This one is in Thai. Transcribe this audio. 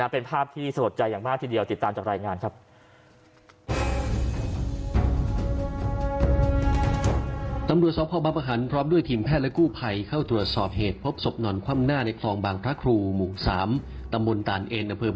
เป็นภาพที่สะลดใจอย่างมากทีเดียวติดตามจากรายงานครับ